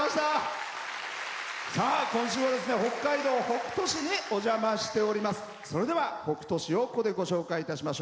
今週は北海道北斗市にお邪魔しております。